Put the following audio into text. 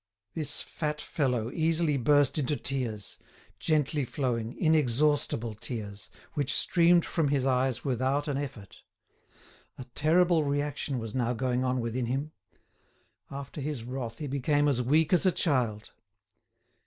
This fat fellow easily burst into tears—gently flowing, inexhaustible tears—which streamed from his eyes without an effort. A terrible reaction was now going on within him. After his wrath he became as weak as a child.